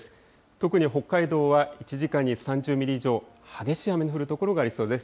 特に北海道は１時間に３０ミリ以上、激しい雨の降る所がありそうです。